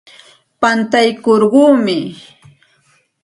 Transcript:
Pantaykurquumi.